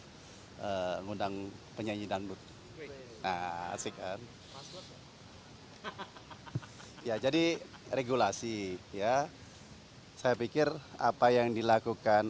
mengundang penyanyi dangdut asik kan ya jadi regulasi ya saya pikir apa yang dilakukan